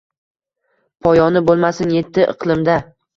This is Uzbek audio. Poyoni bo’lmasin yetti iqlimda…